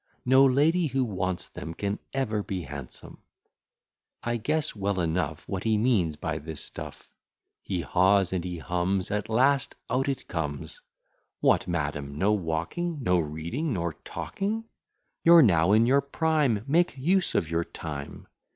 No lady who wants them, Can ever be handsome. I guess well enough What he means by this stuff: He haws and he hums, At last out it comes: What, madam? No walking, No reading, nor talking? You're now in your prime, Make use of your time.